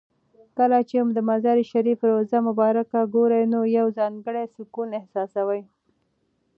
کله چې د مزار شریف روضه مبارکه ګورې نو یو ځانګړی سکون احساسوې.